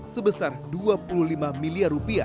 sebesar dua puluh lima miliar rupiah